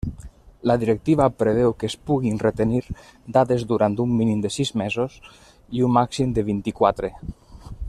La directiva preveu que es puguin retenir dades durant un mínim de sis mesos i un màxim de vint-i-quatre.